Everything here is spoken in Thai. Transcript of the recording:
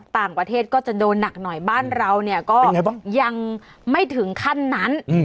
ต่างประเทศก็จะโดนหนักหน่อยบ้านเราเนี่ยก็ยังไม่ถึงขั้นนั้น